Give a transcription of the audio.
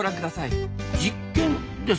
実験ですか？